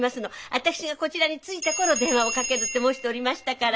私がこちらに着いた頃電話をかけるって申しておりましたから。